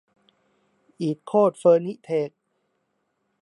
อีสต์โคสท์เฟอร์นิเทค